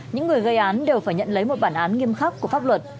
những người gây án đều phải nhận lấy một bản án nghiêm khắc của pháp luật